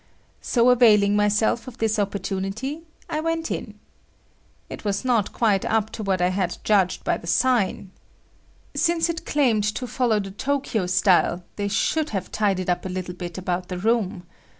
So availing myself of this opportunity, I went in. It was not quite up to what I had judged by the sign. Since it claimed to follow the Tokyo style, they should have tidied up a little bit about the room.